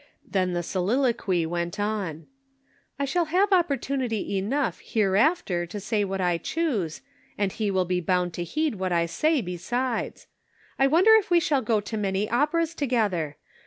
Then the soliloquy went on :" I shall have opportunity enough hereafter to say what I choose, and he will be bound to heed what I say, besides. I wonder if we shall go to many operas together?